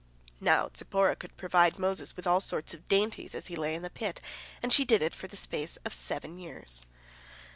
Now Zipporah could provide Moses with all sorts of dainties as he lay in the pit, and she did it for the space of seven years.